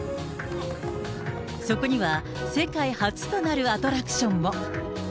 そこには世界初となるアトラクションも。